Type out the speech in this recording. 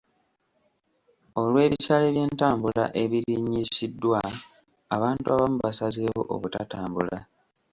Olw'ebisale by'entambula ebirinnyisiddwa, abantu abamu basazeewo obutatambula.